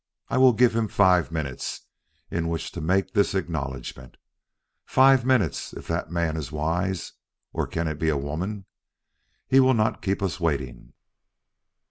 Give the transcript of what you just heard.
I will give him five minutes in which to make this acknowledgment. Five minutes! If that man is wise or can it be a woman? he will not keep us waiting."